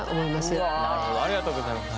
なるほどありがとうございます。